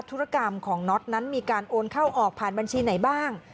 ธุรกรรมของน็อตนั้นมีการโอนเข้าออกผ่านบัญชีไหนบ้าง